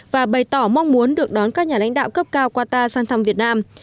và bày tỏ mong muốn được đón các nhà lãnh đạo cấp cao qua ta sang thăm việt nam